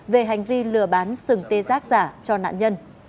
về hành vi lừa bán sừng tê giác giả cho nạn nhân